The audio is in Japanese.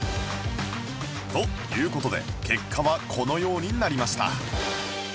という事で結果はこのようになりました